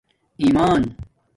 ایمان